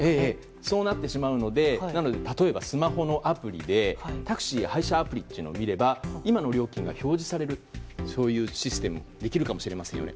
そうなってしまうので例えばスマホのアプリでタクシー配車アプリを見れば今の料金が表示されるというシステムができるかもしれませんよね。